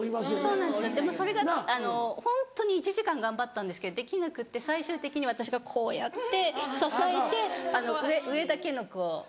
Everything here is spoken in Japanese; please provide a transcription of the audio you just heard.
そうなんですよでもそれがホントに１時間頑張ったんですけどできなくって最終的に私がこうやって支えて上だけのこう。